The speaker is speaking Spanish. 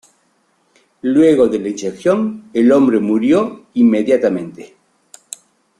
Luego de la inyección, el hombre murió inmediatamente.